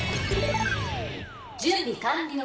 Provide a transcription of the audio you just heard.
「準備完了」